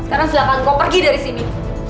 sekarang silahkan kau pergi dari sini